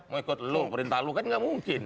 mau ikut lo perintah lo kan nggak mungkin